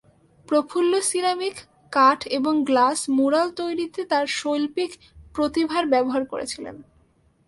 প্রফুল্ল ceramic, কাঠ এবং glass mural তৈরিতে তাঁর শৈল্পিক প্রতিভার ব্যবহার করেছিলেন।